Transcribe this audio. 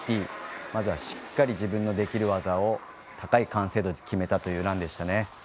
まずはしっかり自分のできる技を高い完成度で決めたというランでしたね。